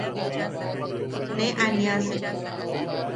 Ne aaniasek.